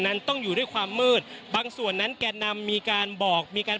นั้นต้องอยู่ด้วยความมืดบางส่วนนั้นแก่นำมีการบอกมีการ